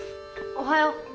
おはよう。